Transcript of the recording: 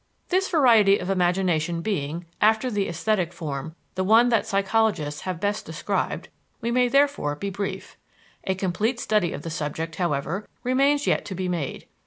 This variety of imagination being, after the esthetic form, the one that psychologists have best described, we may therefore be brief. A complete study of the subject, however, remains yet to be made.